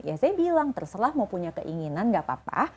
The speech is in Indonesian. ya saya bilang terserah mau punya keinginan gak apa apa